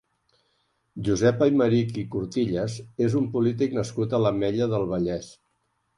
Josep Aymerich i Cortillas és un polític nascut a l'Ametlla del Vallès.